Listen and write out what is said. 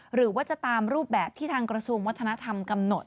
หรือว่าจะตามรูปแบบที่ทางกระทรวงวัฒนธรรมกำหนด